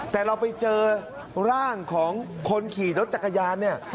แต่เราไปเจอร่างของคนขี่รถจักรยานเนี่ย